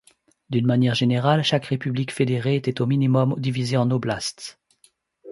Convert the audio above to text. D'une manière générale, chaque république fédérée était au minimum divisée en oblasts.